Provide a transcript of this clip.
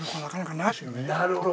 なるほど。